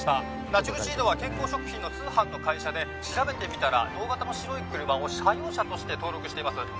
☎ナチュルシードは健康食品の通販の会社で☎調べてみたら同型の白い車を社用車として登録しています